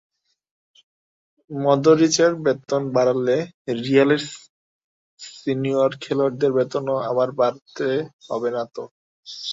মদরিচের বেতন বাড়লে রিয়ালের সিনিয়র খেলোয়াড়দের বেতনও আবার বাড়াতে হবে না তো?